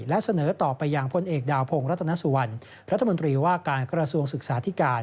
และเสนอต่อไปอย่างพลเอกดาวพงศ์รัฐนสวรรค์ว่าการกรสวงศึกษาธิการ